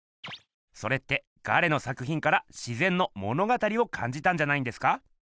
それってガレの作ひんから「自ぜんの物語」をかんじたんじゃないんですか？